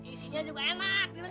isinya juga enak